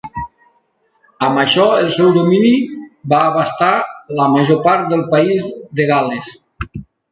Amb això, el seu domini va abastar la major part del país de Gal·les.